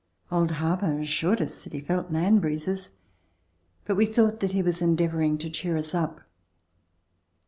Old Harper assured us that he felt land breezes, but we thought that he was endeavoring to cheer us up.